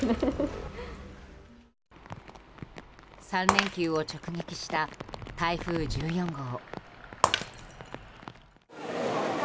３連休を直撃した台風１４号。